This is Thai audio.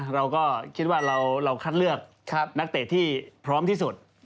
เราก็คิดว่าเราคัดเลือกนักเตะที่พร้อมที่สุด